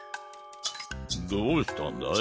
どうしたんだい？